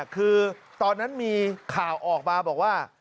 คือตอนนั้นมีข่าวออกมาบอกว่า